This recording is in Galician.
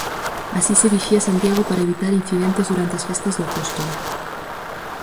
Así se vixía Santiago para evitar incidentes durante as Festas do Apóstolo.